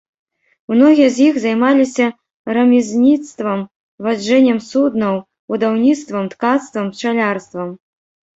Многія з іх займаліся рамізніцтвам, ваджэннем суднаў, будаўніцтвам, ткацтвам, пчалярствам.